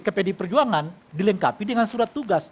ke pdi perjuangan dilengkapi dengan surat tugas